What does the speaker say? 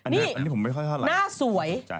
นี่หน้าสวย